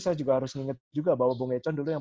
saya juga harus mengingat juga bahwa bung econ dulu yang